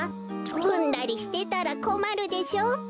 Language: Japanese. うんだりしてたらこまるでしょうべ。